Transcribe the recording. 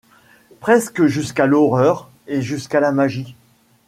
Presque jusqu’à l’horreur et jusqu’à la magie